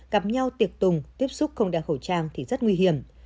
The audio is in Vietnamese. gặp nhau tiệc tùng tiếp xúc không đeo khẩu trang thì rất nguy hiểm